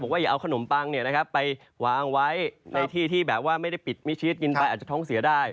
ว่าอย่าเอาขนมปังไปวางไว้ในที่ที่แบบว่าไม่ได้ปิดมิชีสกินไปอาจจะท้องเสียได้